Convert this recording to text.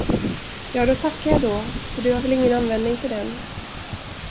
Ja, då tackar jag då, för du har väl ingen användning för den.